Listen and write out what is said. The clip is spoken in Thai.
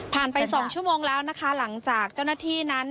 ไป๒ชั่วโมงแล้วนะคะหลังจากเจ้าหน้าที่นั้น